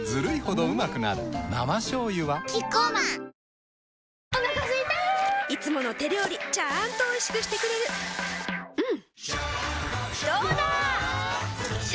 生しょうゆはキッコーマンお腹すいたいつもの手料理ちゃんとおいしくしてくれるジューうんどうだわ！